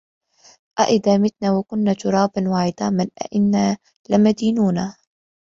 أَإِذا مِتنا وَكُنّا تُرابًا وَعِظامًا أَإِنّا لَمَدينونَ